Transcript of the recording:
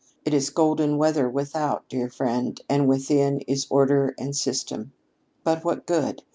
It is golden weather without, dear friend, and within is order and system. But what good?